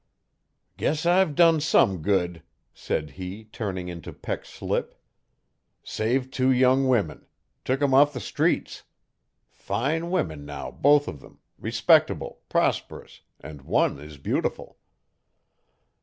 'Guess I've done some good,' said he turning into Peck Slip. 'Saved two young women. Took 'em off the streets. Fine women now both of them respectable, prosperous, and one is beautiful.